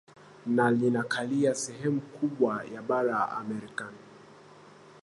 na linakalia sehemu kubwa ya bara la Amerika